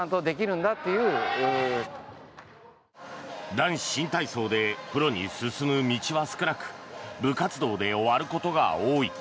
男子新体操でプロに進む道は少なく部活動で終わることが多い。